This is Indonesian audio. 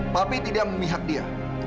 papi tidak memihak dia